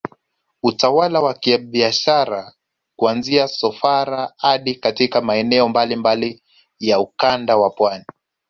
Utawala wa kibiashara kuanzia Sofara hadi katika maeneo mbalimbali ya Ukanda wa Pwani